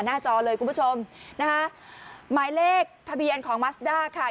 จอเลยคุณผู้ชมนะคะหมายเลขทะเบียนของมัสด้าค่ะ